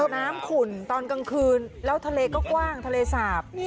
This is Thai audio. น้ำขุ่นตอนกลางคืนแล้วทะเลก็กว้างทะเลสาบ